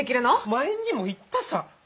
前にも言ったさ。